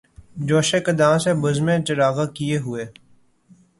جوشِ قدح سے بزمِ چراغاں کئے ہوئے